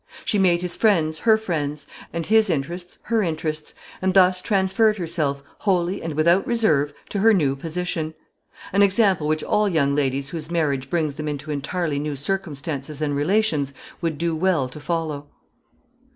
She made his friends her friends, and his interests her interests, and thus transferred herself, wholly and without reserve, to her new position; an example which all young ladies whose marriage brings them into entirely new circumstances and relations would do well to follow.